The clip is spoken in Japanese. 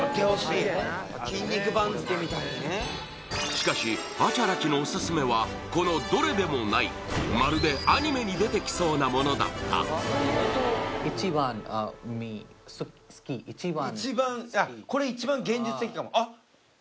しかしアチャラチのオススメはこのどれでもないまるでアニメに出てきそうなものだった一番あっえっ？